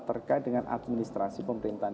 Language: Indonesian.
terkait dengan administrasi pemerintahan